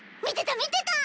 見てた！